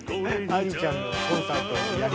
愛理ちゃんのコンサートでやりそう。